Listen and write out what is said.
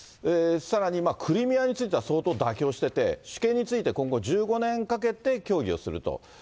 さらに、クリミアについては相当、妥協してて、主権について今後１５年かけて協議をすると。